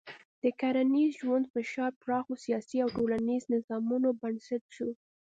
د کرنیز ژوند فشار پراخو سیاسي او ټولنیزو نظامونو بنسټ شو.